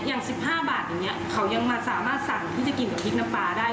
อย่าง๑๕บาทอย่างนี้เขายังสามารถสั่งที่จะกินกับพริกน้ำปลาได้